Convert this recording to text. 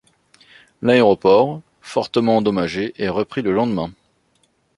L'aéroport, fortement endommagé est repris le lendemain.